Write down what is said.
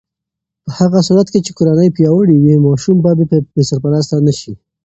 په هغه صورت کې چې کورنۍ پیاوړې وي، ماشوم به بې سرپرسته نه شي.